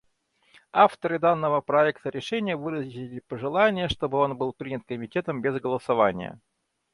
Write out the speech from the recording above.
Авторы данного проекта решения выразили пожелание, чтобы он был принят Комитетом без голосования.